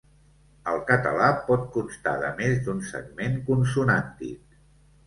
El català pot constar de més d'un segment consonàntic.